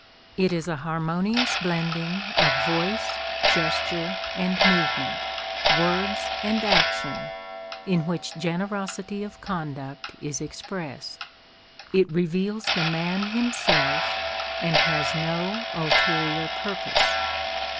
It is a harmonious blending of voice, gesture and movement, words and action, in which generosity of conduct is expressed. It reveals the man himself and has no ulterior purpose.